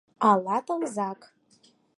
Ала тылзак.